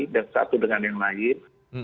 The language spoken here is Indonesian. dan satu dengan yang lain